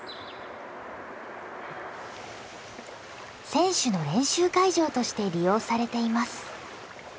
選手の練習会場として利用されています。